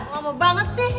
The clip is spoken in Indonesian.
lama banget sih